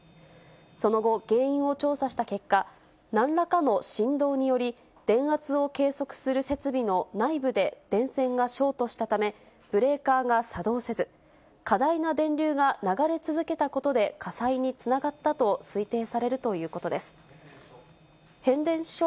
その後、原因を調査した結果、なんらかの振動により、電圧を計測する設備の内部で電線がショートしたため、ブレーカーが作動せず、過大な電流が流れ続けたことで火災につながったと推定されるということです。